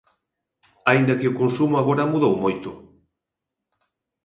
Aínda que o consumo agora mudou moito.